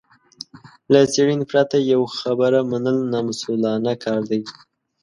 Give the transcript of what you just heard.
له څېړنې پرته يوه خبره منل نامسوولانه کار دی.